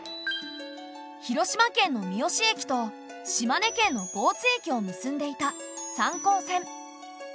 広島県の三次駅と島根県の江津駅を結んでいた三江線。